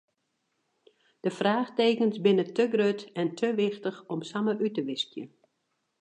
De fraachtekens binne te grut en te wichtich om samar út te wiskjen.